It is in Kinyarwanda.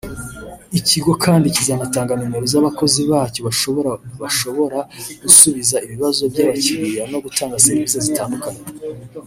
Ikigo kandi kizanatanga nimero z’abakozi bacyo bashobora bashobora gusubiza ibibazo by’abakiliya no gutanga serivisi zitandukanye